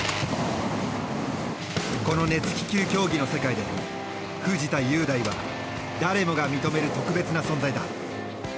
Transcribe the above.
この熱気球競技の世界で藤田雄大は誰もが認める特別な存在だ。